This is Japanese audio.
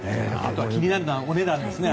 気になるのは値段ですね。